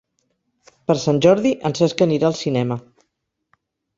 Per Sant Jordi en Cesc anirà al cinema.